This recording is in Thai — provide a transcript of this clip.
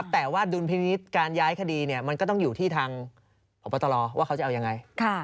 แต่ว่าดุลพินิษฐ์การย้ายคดีมันก็ต้องอยู่ที่ทางพบตรว่าเขาจะเอายังไง